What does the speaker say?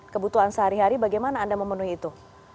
kebutuhan sehari hari bagaimana anda memenuhi itu